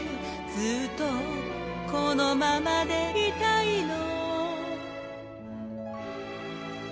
「ずっとこのままでいたいの」